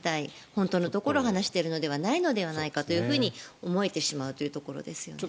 本当のところ話しているのではないのではないかと思えてしまうところですね。